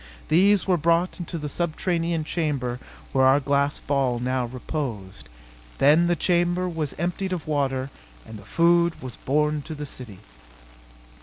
These were brought into the subterranean chamber where our glass ball now reposed. Then the chamber was emptied of water and the food was borne to the city.